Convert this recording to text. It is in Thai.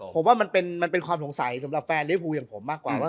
ผมว่ามันเป็นความสงสัยสำหรับแฟนลิฟูอย่างผมมากกว่าว่า